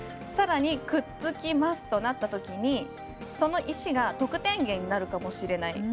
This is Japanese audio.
さらにくっつきますとなったときにその石が得点源になるかもしれない。